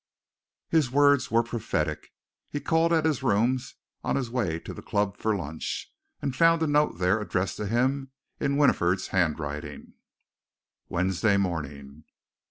His words were prophetic. He called at his rooms on his way to the club for lunch, and found a note there addressed to him in Winifred's handwriting: Wednesday morning.